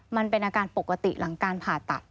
มันเป็นอาการปกติหลังการผ่าตัด